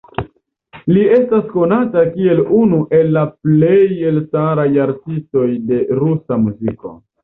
Li estas konata kiel unu el la plej elstaraj artistoj de rusa muziko.